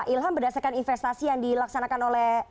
ini pak ilham berdasarkan investasi yang dilaksanakan oleh